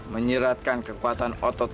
menyiratkan kekuatan otot